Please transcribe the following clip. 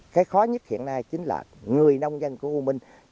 cái khó nhất hiện nay chính là người nông dân của u minh